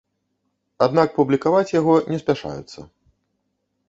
Аднак публікаваць яго не спяшаюцца.